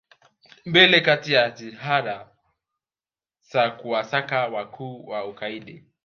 mbele katika jitihada za kuwasaka wakuu wa ugaidi